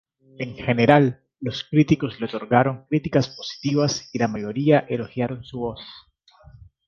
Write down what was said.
En general, los críticos le otorgaron críticas positivas y la mayoría elogiaron su voz.